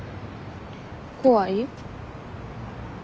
怖い？